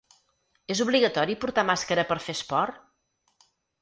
És obligatori portar màscara per fer esport?